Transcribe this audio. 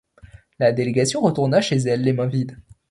La délégation retourna chez elle les mains vides.